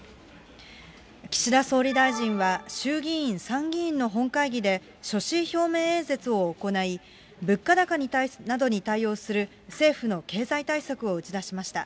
岸田総理大臣は衆議院、参議院の本会議で、所信表明演説を行い、物価高などに対応する政府の経済対策を打ち出しました。